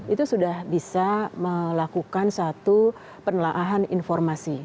itu sudah bisa melakukan satu penelaahan informasi